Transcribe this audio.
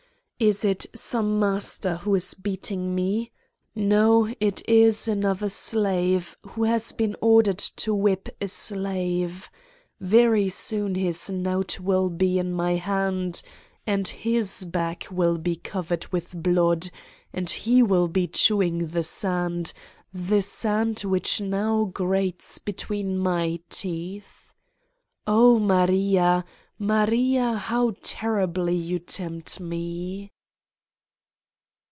Is it some Master who is beating me? No, it is another slave, who has been ordered to whip a slavey very soon his knout will be in my hand and his back will be cov ered with blood and he will be chewing the sand, the sand which now grates between my teeth. Oh, Maria, Maria, how terribly you tempt Me